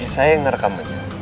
ini saya yang nerekam aja